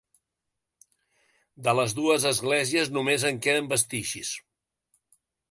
De les dues esglésies només en queden vestigis.